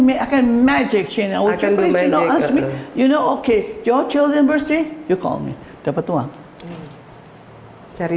meakan magic channel akan berbeda asli you know oke jokowi berarti you call me dapat uang cari